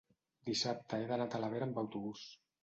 dissabte he d'anar a Talavera amb autobús.